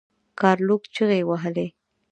ګارلوک چیغې وهلې.